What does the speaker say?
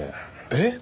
えっ？